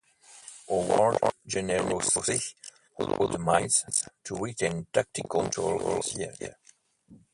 Howard generously allowed Miles to retain tactical control of the siege.